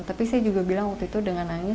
tapi saya juga bilang waktu itu dengan nangis